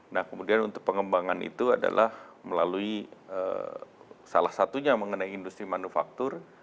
nah kemudian untuk pengembangan itu adalah melalui salah satunya mengenai industri manufaktur